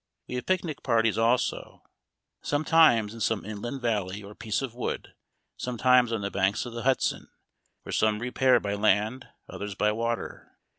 We have picnic parties also, sometimes in some inland valley or piece of wood, sometimes on the banks of the Hudson, where some repair by land, others by water.